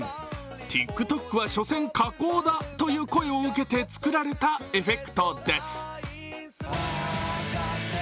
ＴｉｋＴｏｋは所詮加工だという声を受けて作られたエフェクトです。